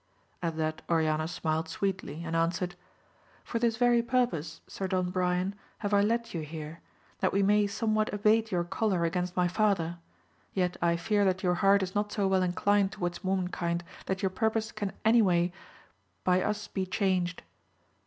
At that Oriana smiled sweetly, and answered, For this very purpose Sir Don Brian have I led you here, that we may somewhat abate your choler against my father ; yet I fear that your heart is not so well inclined to wards womankind, that your purpose can any way by us be changed.